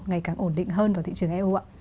ngày càng ổn định hơn vào thị trường eu ạ